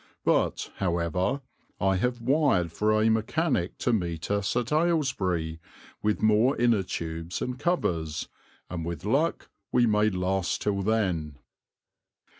But, however, I have wired for a mechanic to meet us at Aylesbury, with more inner tubes and covers, and with luck we may last till then."